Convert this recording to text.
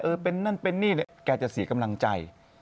เป็นนั่นเป็นนี่เลยแกจะเสียกำลังใจ